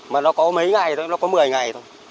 mà nó có mấy ngày thôi nó có một mươi ngày thôi